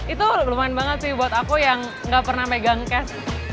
itu lumayan banget sih buat aku yang gak pernah megang cash